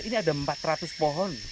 ini ada empat ratus pohon